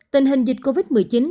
tình hình dịch covid một mươi chín